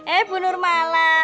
eh bunur mala